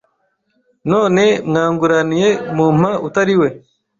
none mwanguraniye mumpa utariwe